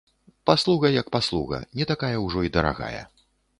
Паслуга як паслуга, не такая ўжо і дарагая.